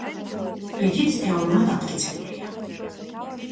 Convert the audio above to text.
რითიც თეორემა დამტკიცებულია.